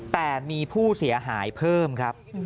แต่มีผู้เสียหายเพิ่มครับ